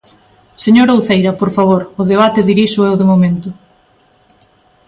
Señora Uceira, por favor, o debate diríxoo eu de momento.